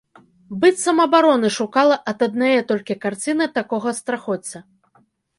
Быццам абароны шукала ад аднае толькі карціны такога страхоцця.